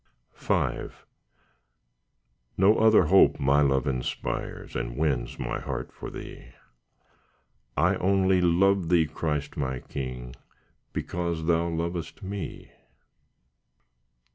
V No other hope my love inspires, And wins my heart for Thee— I only love Thee, Christ, my King, Because Thou lovest me.